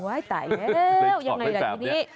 ว้ายตายแล้วยังไงแบบนี้